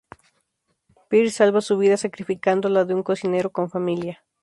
Peer salva su vida sacrificando la de un cocinero con familia.